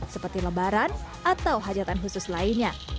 seperti lebaran atau hajatan khusus lainnya